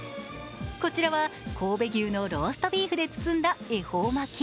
こちらは神戸牛のローストビーフで包んだ恵方巻き。